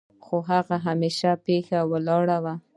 خو هغه هيښه پيښه ولاړه وه.